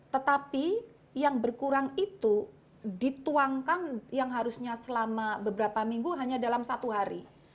tetapi yang berkurang itu dituangkan yang harusnya selama beberapa minggu hanya dalam satu hari